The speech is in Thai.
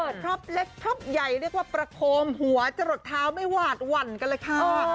ท็อปเล็กครอบใหญ่เรียกว่าประโคมหัวจะหลดเท้าไม่หวาดหวั่นกันเลยค่ะ